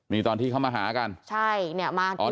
มีตอนที่เขามาหากัน